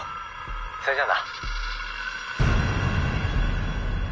「それじゃあな」